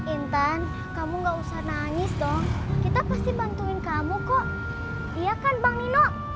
intan kamu nggak usah nangis dong kita pasti bantuin kamu kok iya kan bang nino